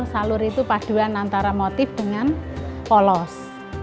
salur itu paduan antara motif dengan polos